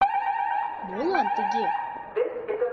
«Молан тыге?